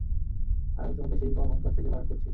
আর আমি তোমাকে শিরক ও অহঙ্কার থেকে বারণ করছি।